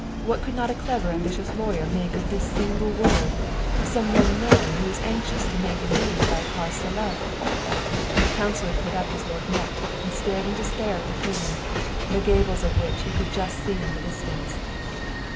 What could not a clever, ambitious law yer make of this single word, some young man who was anxious to make a name by a cause celebre? " The coun cilor put up his lorgnette and stared in despair at the prison, the gables of which he could just see in the distance.